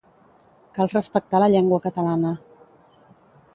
Cal respectar la llengua catalana.